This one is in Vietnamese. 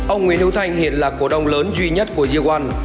ông nguyễn hữu thanh hiện là cổ đông lớn duy nhất của diêu quan